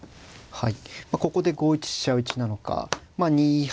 はい。